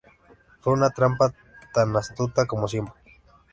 Fue una trampa tan astuta como siempre".